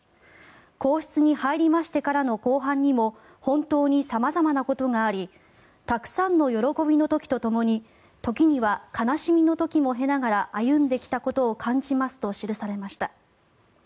皇室に入りましてからの後半にも本当に様々なことがありたくさんの喜びの時とともに時には悲しみの時も経ながら歩んできたことを感じますと記されました。